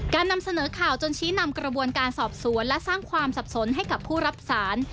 นำเสนอข่าวจนชี้นำกระบวนการสอบสวนและสร้างความสับสนให้กับผู้รับสาร